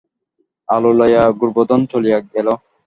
আলো লইয়া গোবর্ধন চলিয়া গেল।